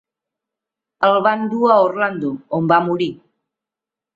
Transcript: El van dur a Orlando, on va morir.